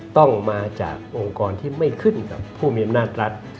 ต้องมาจากองค์กรที่ไม่ขึ้นกับผู้มีอำนาจรัฐ